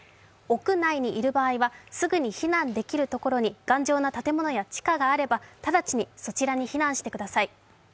屋内にいる場合はすぐに避難できるところに、頑丈な建物や地下があれば直ちにそちらに避難してください。